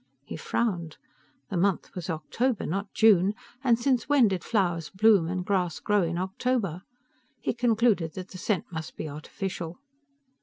He frowned. The month was October, not June, and since when did flowers bloom and grass grow in October? He concluded that the scent must be artificial.